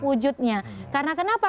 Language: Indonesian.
wujudnya karena kenapa